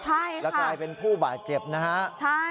ใช่ค่ะแล้วกลายเป็นผู้บาดเจ็บนะฮะใช่